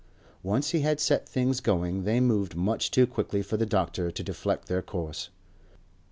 Once he had set things going they moved much too quickly for the doctor to deflect their course.